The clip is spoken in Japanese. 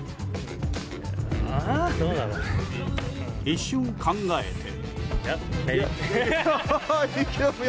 一瞬考えて。